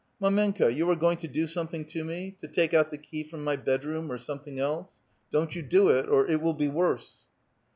" Mdmenka^ you are going to do something to me ! to take out the ke}' from my bedroom, or something else. Don't you do it, or it will be worse